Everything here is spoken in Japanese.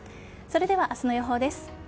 それでは明日の予報です。